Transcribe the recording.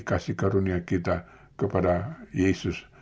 kasih karunia kita kepada yesus